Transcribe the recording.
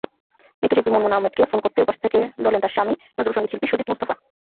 নৃত্যশিল্পী মুনমুন আহমেদকে ফোন করতেই ওপাশ থেকে ধরলেন তাঁর স্বামী নজরুলসংগীতশিল্পী সুজিত মোস্তফা।